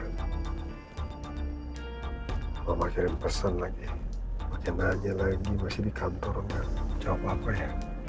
kalau mama kirim pesan lagi mama kirim nanya lagi di kantor gak jawab apa ya